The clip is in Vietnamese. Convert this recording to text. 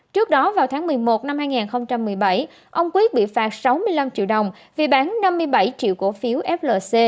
trước đó vào tháng một mươi một năm hai nghìn một mươi bảy ông quyết bị phạt sáu mươi năm triệu đồng vì bán năm mươi bảy triệu cổ phiếu flc